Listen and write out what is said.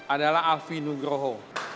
adalah alfi nugroho